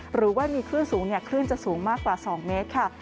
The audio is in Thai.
หรือว่ามีคลื่นสูงคลื่นจะสูงมากกว่า๒เมตรค่ะ